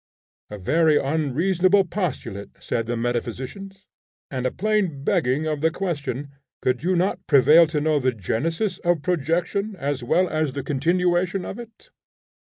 'A very unreasonable postulate,' said the metaphysicians, 'and a plain begging of the question. Could you not prevail to know the genesis of projection, as well as the continuation of it?'